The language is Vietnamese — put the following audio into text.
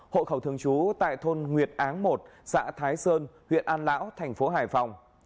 hộ khẩu thường trú tại thôn nguyệt áng một xã thái sơn huyện an lão thành phố hải phòng